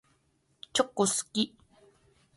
チョコ好き。